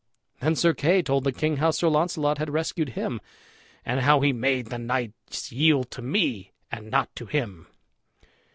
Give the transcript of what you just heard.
Then Sir Kay told the king how Sir Launcelot had rescued him, and how he "made the knights yield to me, and not to him."